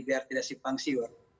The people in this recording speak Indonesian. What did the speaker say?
biar tidak sipang siur